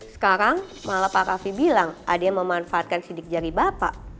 sekarang malah pak raffi bilang ada yang memanfaatkan sidik jari bapak